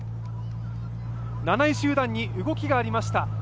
７位集団に動きがありました。